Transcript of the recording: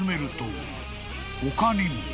［他にも］